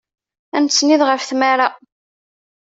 Ad nettsennid ɣef tmara.